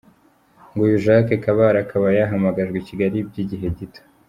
Ngo uyu Jacques Kabale akaba yahamagajwe i Kigali by’igihe gito.